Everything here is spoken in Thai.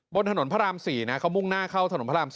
บนถนนพระราม๔นะเขามุ่งหน้าเข้าถนนพระราม๔